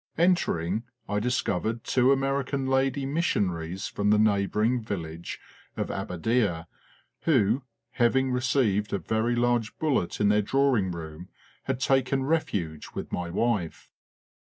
Enter ing, I discovered two American lady missionaries from the neighbouring village of Abadieh who, having re ceived a very large bullet in their drawing room, had taken refuge with my wife.